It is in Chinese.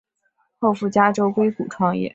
后赴加州硅谷创业。